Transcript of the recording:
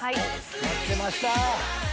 待ってました！